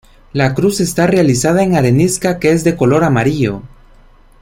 La cruz está realizada en arenisca que es de color amarillo.